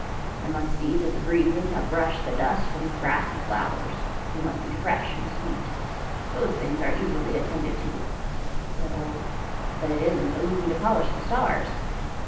" I must see that the breezes have brushed the dust from the grass and flowers. They must be fresh and sweet. " Those things are easily attended to," said Ole, " but it isn't so easy to polish the stars.